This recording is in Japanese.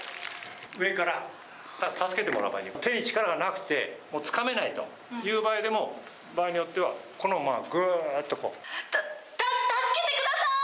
上から助けてもらう場合に、手に力がなくて、もうつかめないという場合でも、場合によっては、た、助けてください。